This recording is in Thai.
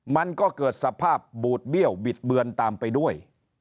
มันก็เกิดสภาพบูดเบี้ยวบิดเบือนตามไปด้วย